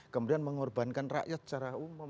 kemudian mengorbankan rakyat secara umum